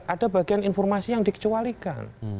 ada bagian informasi yang dikecualikan